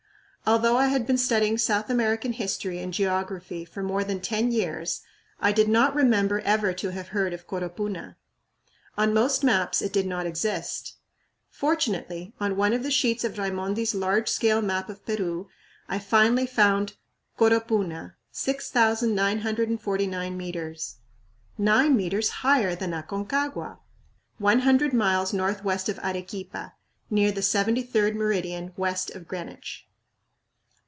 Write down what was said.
Although I had been studying South American history and geography for more than ten years, I did not remember ever to have heard of Coropuna. On most maps it did not exist. Fortunately, on one of the sheets of Raimondi's large scale map of Peru, I finally found "Coropuna 6,949 m." 9 meters higher than Aconcagua! one hundred miles northwest of Arequipa, near the 73d meridian west of Greenwich.